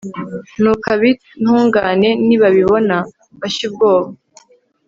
nuko ab'intungane nibabibona, bashye ubwoba